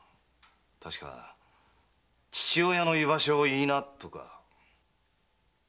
確か「父親の居場所を言いな」とか。